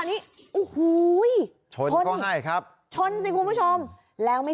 นี่จังหวะนี้